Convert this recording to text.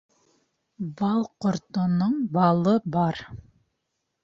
Бал ҡортоноң балы бар